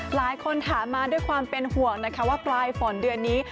หลายคนถามมาด้วยความเป็นห่วงนะคะว่าปลายฝนเดือนนี้